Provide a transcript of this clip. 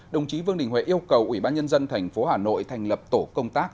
đồng chí vương đình huệ yêu cầu ủy ban nhân dân thành phố hà nội thành lập tổ công tác